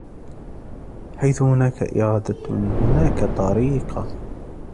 حيث هناك إرادة - هناك طريقة.